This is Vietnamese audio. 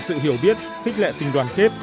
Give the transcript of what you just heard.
sự hiểu biết thích lệ tình đoàn kết